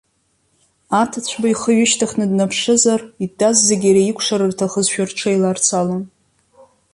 Аҭацәба ихы ҩышьҭыхны днаԥшызар, итәаз зегьы иара икәшар рҭахызшәа рҽеиларцалон.